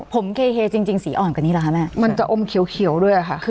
ผมเคเฮจริงสีอ่อนกว่านี้เหรอคะแม่มันจะอมเขียวด้วยค่ะ